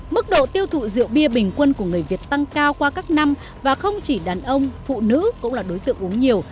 mức độ tiêu thụ rượu bia bình quân của người việt tăng cao qua các năm và không chỉ đàn ông phụ nữ cũng là đối tượng uống nhiều